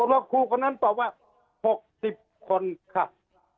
แล้วครูคนนั้นตอบว่า๖๐คนค่ะ